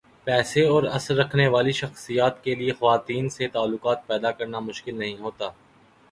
پیسے اور اثر رکھنے والی شخصیات کیلئے خواتین سے تعلقات پیدا کرنا مشکل نہیں ہوتا۔